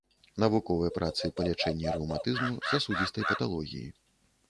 Навуковыя працы па лячэнні рэўматызму, сасудзістай паталогіі.